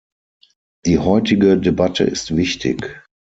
Die heutige Debatte ist wichtig.